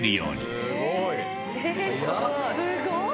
すごい。